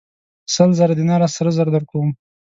سل زره دیناره سره زر درکوم.